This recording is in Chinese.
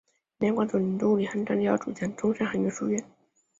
应两广总督李瀚章之邀主讲广东韩山书院。